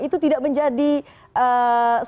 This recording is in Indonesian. itu tidak menjadikan